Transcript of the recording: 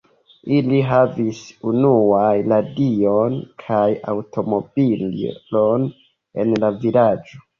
Ili havis unuaj radion kaj aŭtomobilon en la vilaĝo.